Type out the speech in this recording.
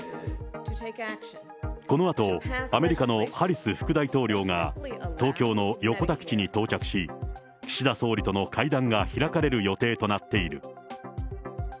このあとアメリカのハリス副大統領が、東京の横田基地に到着し、岸田総理との会談が開かれる予定となっている。